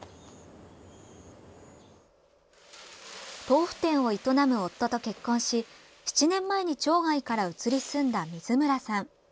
豆腐店を営む夫と結婚し７年前に町外から移り住んだ水村さん。